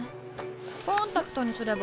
コンタクトにすれば？